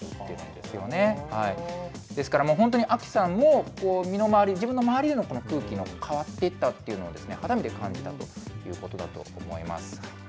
ですからもう本当にアキさんも、身の回り、自分の周りへの空気が変わっていったというのを肌身で感じたということだと思います。